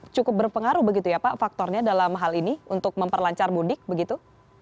cukup berpengaruh begitu ya pak faktornya dalam hal ini untuk memperlancar mudik begitu